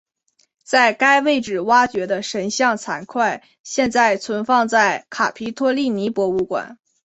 在该位置挖掘的神像残块现在存放在卡皮托利尼博物馆。